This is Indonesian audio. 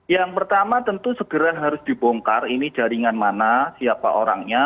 yang pertama tentu segera harus dibongkar ini jaringan mana siapa orangnya